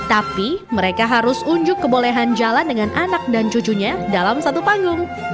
tapi mereka harus unjuk kebolehan jalan dengan anak dan cucunya dalam satu panggung